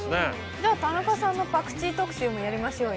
じゃあ田中さんのパクチー特集もやりましょうよ。